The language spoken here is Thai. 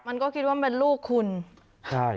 มันก็คิดว่ามันเป็นลูกคุณใช่